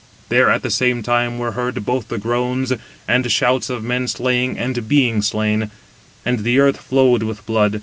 There at the same time were heard both the groans and shouts of men slaying and being slain; and the earth flowed with blood.